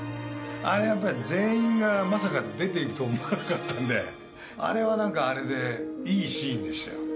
あれはやっぱり全員がまさか出ていくとは思わなかったんであれは何かあれでいいシーンでしたよ